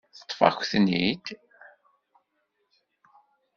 Teṭṭef-akent-ten-id.